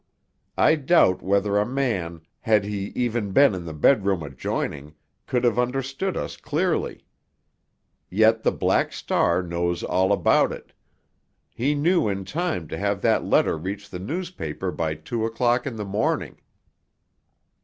I doubt whether a man, had he even been in the bedroom adjoining, could have understood us clearly. Yet the Black Star knows all about it—he knew in time to have that letter reach the newspaper by two o'clock in the morning.